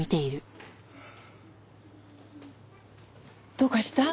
どうかした？